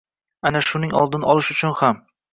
Ana shuning oldini olish uchun ham